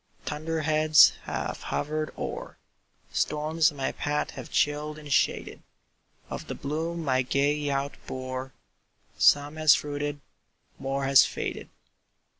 Thunder heads have hovered o'er Storms my path have chilled and shaded; Of the bloom my gay youth bore, Some has fruited more has faded."